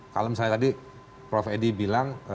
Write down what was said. kalau misalnya tadi prof edi bilang